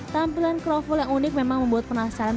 tampilan kroffel yang unik memang membuat penasaran